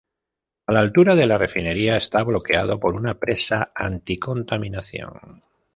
A la altura de la refinería está bloqueado por una presa anti-contaminación.